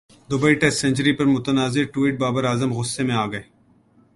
Dubai test century پر متنازع tweet Babar Azam غصہ میں اگئے